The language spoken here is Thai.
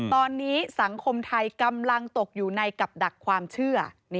ตอนนี้สังคมไทยกำลังตกอยู่ในกับดักความเชื่อ